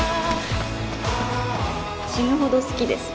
死ぬほど好きです。